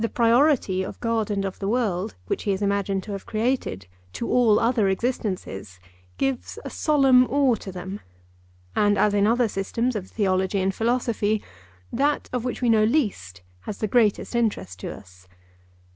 The priority of God and of the world, which he is imagined to have created, to all other existences, gives a solemn awe to them. And as in other systems of theology and philosophy, that of which we know least has the greatest interest to us.